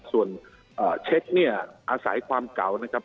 ส่วนเช็คเนี่ยอาศัยความเก่านะครับ